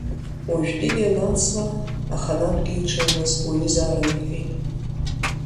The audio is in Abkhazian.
Уажәтәигьы анацла, аханатәгьы иҽеимыз уаҩызаарын рҳәеит.